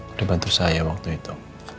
udah bantu saya waktu itu